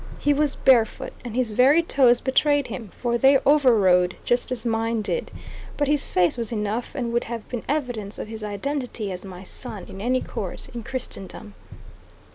He was barefoot; and his very toes betrayed him, for they "overrode" just as mine did; but his face was enough and would have been evidence of his identity as my son in any court in Christendom.